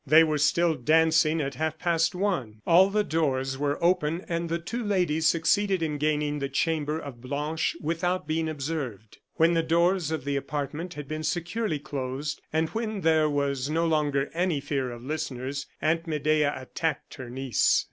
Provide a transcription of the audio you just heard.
They were still dancing at half past one; all the doors were open, and the two ladies succeeded in gaining the chamber of Blanche without being observed. When the doors of the apartment had been securely closed, and when there was no longer any fear of listeners, Aunt Medea attacked her niece.